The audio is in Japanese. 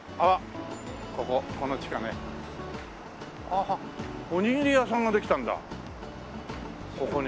あっおにぎり屋さんができたんだここに。